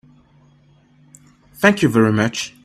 Thank you very much.